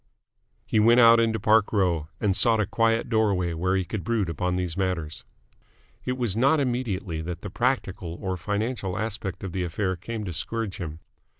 He went out into Park Row, and sought a quiet doorway where he could brood upon these matters. It was not immediately that the practical or financial aspect of the affair came to scourge him.